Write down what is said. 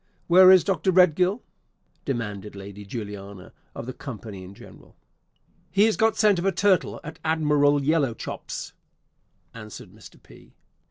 "Where is Dr. Redgill?" demanded Lady Juliana of the company in general. "He has got scent of a turtle at Admiral Yellowchops," answered Mr. P.